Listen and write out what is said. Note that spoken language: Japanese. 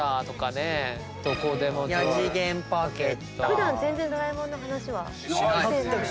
普段全然ドラえもんの話は。しないですね。